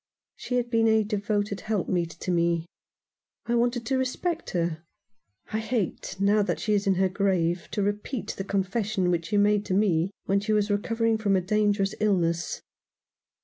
She had been a devoted helpmeet to me. I wanted to respect her. I hate, now that she is in her grave, to repeat the confession which she made to me when she was recovering from a dangerous illness."